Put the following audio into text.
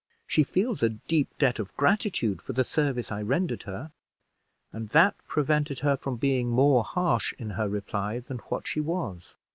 She feels a deep debt of gratitude for the service I rendered her; and that prevented her from being more harsh in her reply than what she was."